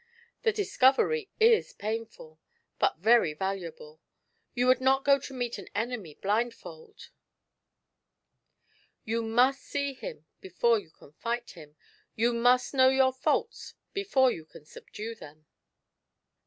"The discovery is painful, but very valuable. You would not go to meet an enemy blindfold ; you must see him before you com fight him, you must know your faults before you can subdue them."